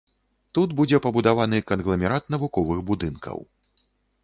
Тут будзе пабудаваны кангламерат навуковых будынкаў.